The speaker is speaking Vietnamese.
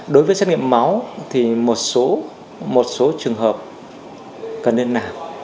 đối với xét nghiệm máu thì một số trường hợp cần nên làm